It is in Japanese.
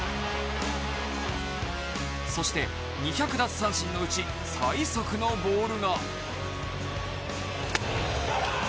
そして２００奪三振のうち最速のボールが。